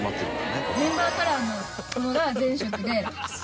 メンバーカラーのものが全色で５色あって。